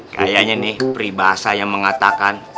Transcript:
kayaknya nih pribahasa yang mengatakan